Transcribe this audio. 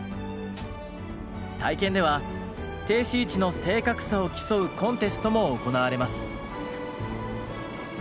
体験では停止位置の正確さを競うコンテストも行われます。